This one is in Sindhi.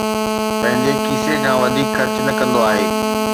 پنهنجي کيسي کان وڌيڪ خرچ نه ڪندو آهي